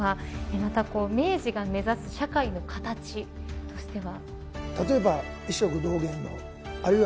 また明治が目指す社会の形としては。